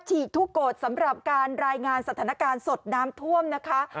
ฉีกทุกกฎสำหรับการรายงานสถานการณ์สดน้ำท่วมนะคะ